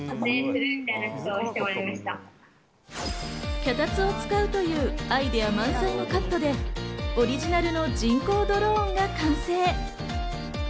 脚立を使うというアイデア満載のカットでオリジナルの人工ドローンが完成。